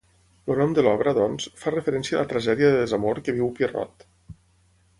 El nom de l'obra, doncs, fa referència a la tragèdia de desamor que viu Pierrot.